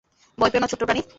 ভয় পেয়ো না, ছোট্ট প্রাণী।